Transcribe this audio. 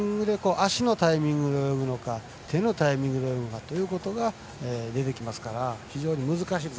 足のタイミングなのか手のタイミングで泳ぐのかということが出てきますから非常に難しい。